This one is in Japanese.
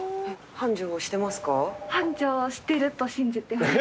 繁盛はしてると信じて。